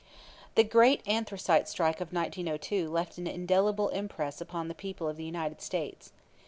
The great Anthracite Strike of 1902 left an indelible impress upon the people of the United States.